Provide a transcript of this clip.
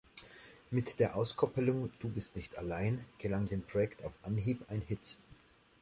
Mit der Auskoppelung "Du bist nicht allein" gelang dem Projekt auf Anhieb ein Hit.